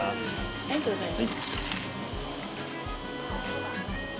ありがとうございます。